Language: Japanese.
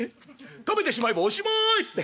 食べてしまえばおしまいっつって。